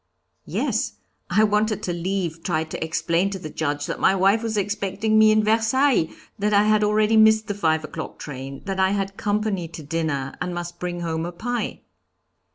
"Yes; I wanted to leave, tried to explain to the Judge that my wife was expecting me in Versailles, that I had already missed the five o'clock train, that I had company to dinner, and must bring home a pie.